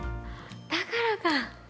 だからか！